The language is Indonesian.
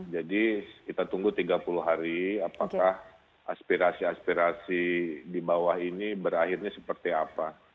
jadi kita tunggu tiga puluh hari apakah aspirasi aspirasi di bawah ini berakhirnya seperti apa